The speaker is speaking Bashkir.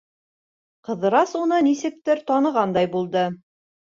Ҡыҙырас уны нисектер танығандай булды.